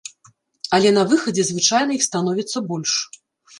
Але на выхадзе звычайна іх становіцца больш.